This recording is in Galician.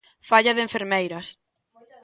Falla de enfermeiras.